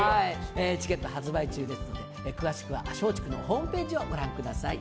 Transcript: チケット発売中ですので詳しくは松竹のホームページをご覧ください。